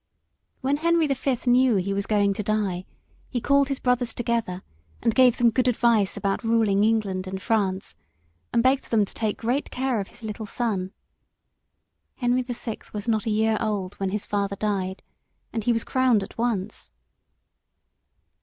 When Henry the Fifth knew he was going to die, he called his brothers together and gave them good advice about ruling England and France, and begged them to take great care of his little son. Henry the Sixth was not a year old when his father died, and he was crowned at once.